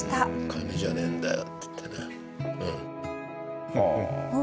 金じゃねえんだよっていってね。